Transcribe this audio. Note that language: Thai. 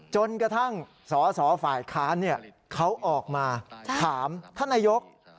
จนกระทั่งสสฝ่ายค้านเขาออกมาถามท่านนายก